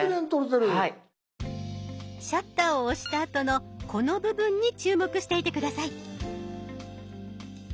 シャッターを押したあとのこの部分に注目していて下さい。